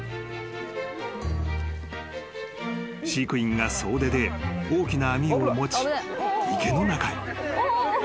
［飼育員が総出で大きな網を持ち池の中へ］